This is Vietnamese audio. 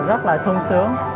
thì rất là sung sướng